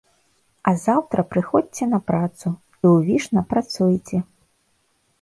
А заўтра прыходзьце на працу, і ўвішна працуйце.